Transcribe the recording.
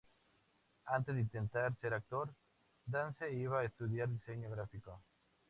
Antes de intentar ser actor, Dance iba a estudiar diseño gráfico.